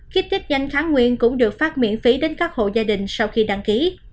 khiếp tiếp nhanh kháng nguyên cũng được phát miễn phí đến các hộ gia đình sau khi đăng ký